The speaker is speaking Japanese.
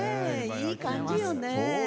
いい感じよね。